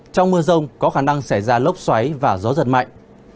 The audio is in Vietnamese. trong mưa rông có khả năng xảy ra lốc xoáy và gió giật mạnh